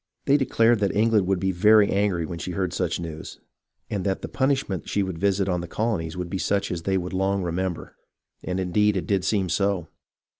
They declared that England would be very angry when she heard such news, and that the punishment she would visit on the colonies would be such as they would long remember. And indeed it did seem so.